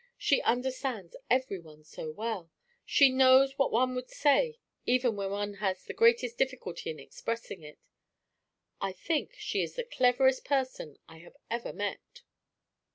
She understands everyone so well; she knows what one would say even when one has the greatest difficulty in expressing it. I think she is the cleverest person I have ever met."